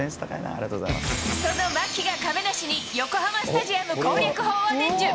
その牧が亀梨に、横浜スタジアム攻略法を伝授。